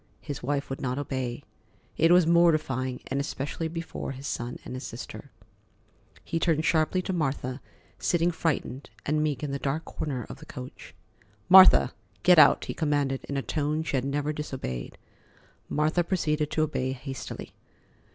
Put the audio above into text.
His wife would not obey. It was mortifying, and especially before his son and his sister. He turned sharply to Martha, sitting frightened and meek in the dark corner of the coach. "Martha, get out," he commanded in a tone she had never disobeyed. Martha proceeded to obey hastily.